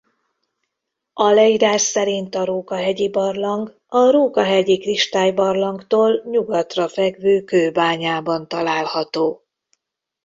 A leírás szerint a Róka-hegyi-barlang a Róka-hegyi Kristály-barlangtól nyugatra fekvő kőbányában található.